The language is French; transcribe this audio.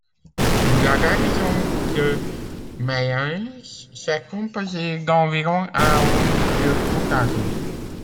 La garnison de Mayence se composait d'environ à hommes de toutes armes.